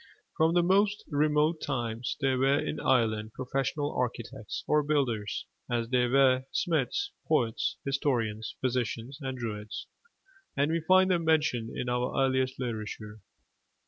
From the most remote times there were in Ireland professional architects or builders, as there were smiths, poets, historians, physicians, and druids; and we find them mentioned in our earliest literature.